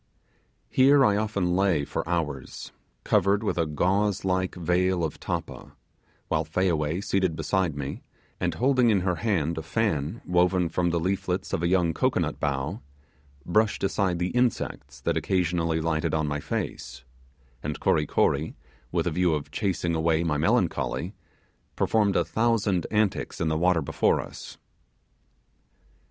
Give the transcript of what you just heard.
Here I often lay for hours, covered with a gauze like veil of tappa, while Fayaway, seated beside me, and holding in her hand a fan woven from the leaflets of a young cocoanut bough, brushed aside the insects that occasionally lighted on my face, and Kory Kory, with a view of chasing away my melancholy, performed a thousand antics in the water before us.